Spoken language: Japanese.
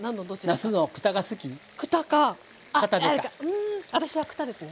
うん私はくたですね。